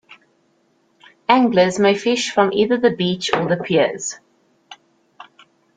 Anglers may fish from either the beach or the piers.